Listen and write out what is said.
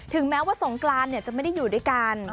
ถึงแม้ว่าสงกรานเนี่ยจะไม่ได้อยู่ด้วยกัน